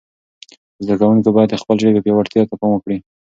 زده کوونکي باید د خپلې ژبې پياوړتیا ته پام وکړي.